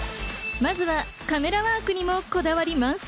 まずはカメラワークにもこだわり満載。